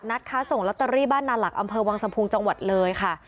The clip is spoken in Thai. ค้าส่งลอตเตอรี่บ้านนาหลักอำเภอวังสะพุงจังหวัดเลยค่ะ